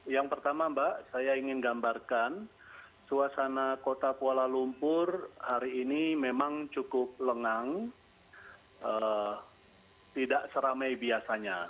yang pertama mbak saya ingin gambarkan suasana kota kuala lumpur hari ini memang cukup lengang tidak seramai biasanya